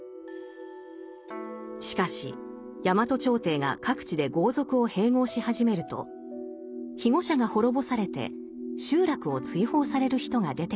しかし大和朝廷が各地で豪族を併合し始めると庇護者が滅ぼされて集落を追放される人が出てきます。